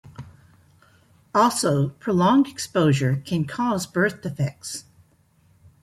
Also, prolonged exposure can cause birth defects.